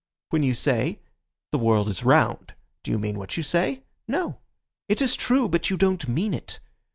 When you say 'the world is round,' do you mean what you say? No. It is true, but you don't mean it.